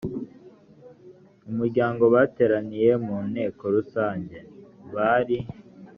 umuryango bateraniye mu nteko rusange bari